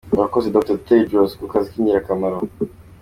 Urakoze Dr Tedros ku kazi k’ingirakamaro.